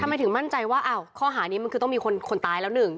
ทำไมถึงมั่นใจว่าข้อหาดี้จะียวคนตายละหนึ่ง